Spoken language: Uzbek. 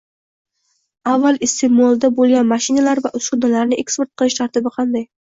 Avval iste’molda bo’lgan mashinalar va uskunalarni eksport qilish tartibi qanday?